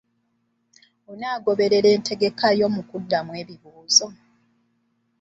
Onaagoberera entegeka yo mu kuddamu ekibuuzo.